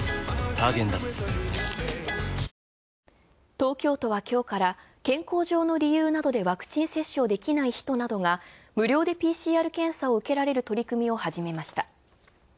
東京都はきょうから健康上の理由などでワクチン接種をできない人などが無料でＰＣＲ検査を受けられる取り組みを始めました。